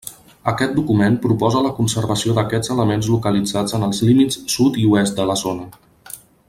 Aquest document proposa la conservació d'aquests elements localitzats en els límits sud i oest de la zona.